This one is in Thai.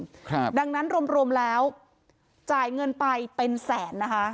ครับดังนั้นรวมรวมแล้วจ่ายเงินไปเป็นแสนนะคะ